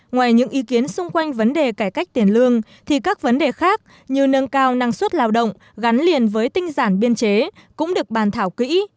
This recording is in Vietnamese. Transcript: ngoài những ý kiến xung quanh vấn đề cải cách tiền lương thì các vấn đề khác như nâng cao năng suất lao động gắn liền với tinh giản biên chế cũng được bàn thảo kỹ